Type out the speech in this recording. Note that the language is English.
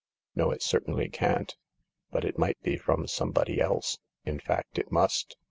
"No, it certainly can't. But it might be from some body else. In fact it must.